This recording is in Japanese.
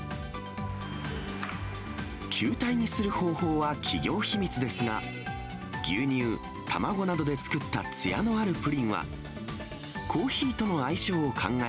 球体にする方法は企業秘密ですが、牛乳、卵などで作ったつやのあるプリンは、コーヒーとの相性を考え、